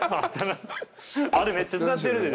あれめっちゃ使ってるで。